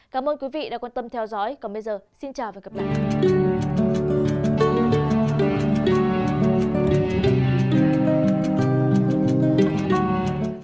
cảm ơn quý vị đã quan tâm theo dõi còn bây giờ xin chào và hẹn gặp lại